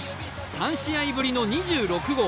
３試合ぶりの２６号。